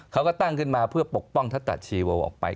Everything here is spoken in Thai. เขาก็ตั้งขึ้นมาเพื่อปกป้องทัตตะชีโวออกไป